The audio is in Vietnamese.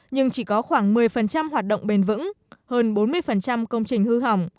nhưng chỉ có khoảng một mươi hoạt động bền vững hơn bốn mươi công trình hư hỏng